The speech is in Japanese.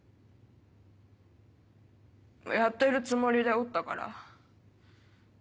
やってるつもりでおったから。